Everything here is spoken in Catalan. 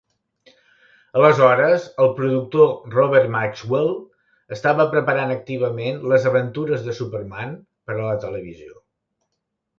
Aleshores, el productor Robert Maxwell estava preparant activament "Les aventures de Superman" per a la televisió.